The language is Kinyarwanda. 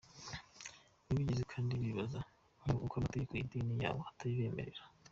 Ntibigeze kandi bitabaza inkiko kuko amategeko y’idini ryabo atabibemerera.